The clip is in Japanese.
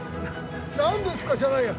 「何ですか」じゃないよ。